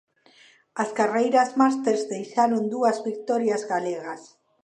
As carreiras másters deixaron dúas vitorias galegas.